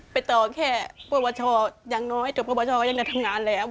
ไปต่อแค่ประวัติศาสตร์อย่างน้อยจบประวัติศาสตร์ก็ยังได้ทำงานแล้ว